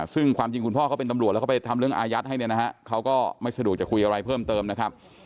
ซึ่งความจริงคุณพ่อเขาเป็นตำรวจแล้วเขาไปทำเรื่องอายัดให้เนี่ยนะฮะเขาก็ไม่สะดวกจะคุยอะไรเพิ่มเติมนะครับ